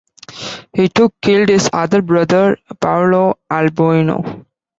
He too killed his other brother, Paolo Alboino.